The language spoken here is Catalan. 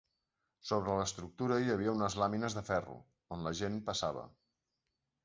Sobre l'estructura hi ha unes làmines de ferro, on la gent passava.